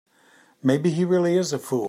Maybe he really is a fool.